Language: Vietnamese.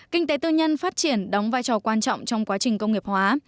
kinh tế tư nhân phát triển đóng vai trò quan trọng trong quá trình công nghiệp hóa